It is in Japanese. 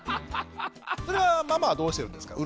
それはママはどうしてるんですか？